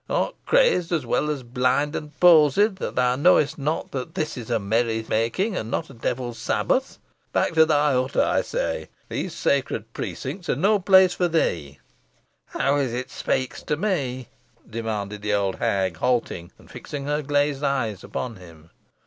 Ar't crazed, as well as blind and palsied, that thou knowest not that this is a merry making, and not a devil's sabbath? Back to thy hut, I say! These sacred precincts are no place for thee." "Who is it speaks to me?" demanded the old hag, halting, and fixing her glazed eyes upon him.